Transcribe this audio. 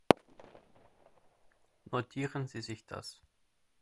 Notieren Sie sich das.